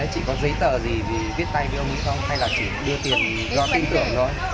chị có giấy tờ gì để viết tay với ông ấy không hay là chỉ đưa tiền do tin tưởng thôi